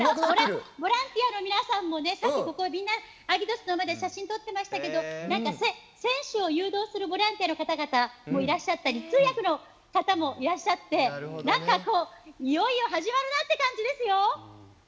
ボランティアの皆さんもさっきみんなアギトスの前で写真を撮ってましたがボランティアの方もいらっしゃったり通訳の方もいらっしゃってなんかいよいよ始まるなという感じですよ！